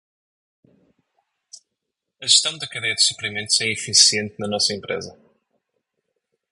A gestão da cadeia de suprimentos é eficiente em nossa empresa.